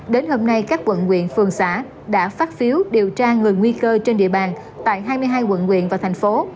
đến hôm nay các quận quyện phường xã đã phát phiếu điều tra người nguy cơ trên địa bàn tại hai mươi hai quận quyện và thành phố